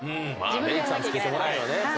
メークさん付けてもらえへんよね